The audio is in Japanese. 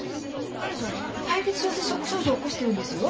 彼女敗血症性ショック症状を起こしてるんですよ。